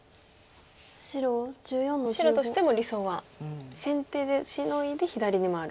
白としても理想は先手でシノいで左に回る。